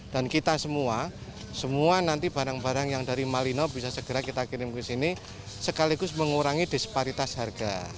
kita semua semua nanti barang barang yang dari malino bisa segera kita kirim ke sini sekaligus mengurangi disparitas harga